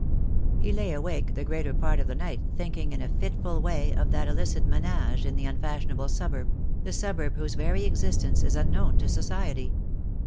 He lay awake the greater part of the night thinking in a fitful way of that illicit menage in the un fashionable suburb — the suburb whose very existence is unknown to society.